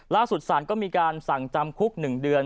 ล่าสุดศาลก็มีการสั่งจำคุก๑เดือน